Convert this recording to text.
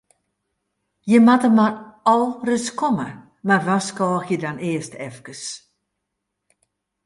Jimme moatte al ris komme, mar warskôgje dan earst efkes.